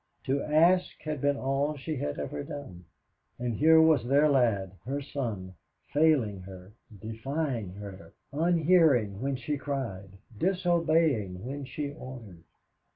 To ask had been all she had ever done, and here was their lad, her son, failing her, defying her, unhearing when she cried, disobeying when she ordered.